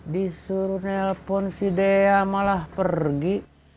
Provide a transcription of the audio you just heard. disuruh nelpon si dea malah pergi